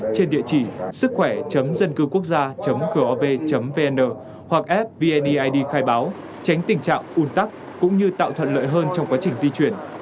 trên địa chỉ sứckhoẻ dâncưquốc gia gov vn hoặc app vneid khai báo tránh tình trạng un tắc cũng như tạo thuận lợi hơn trong quá trình di chuyển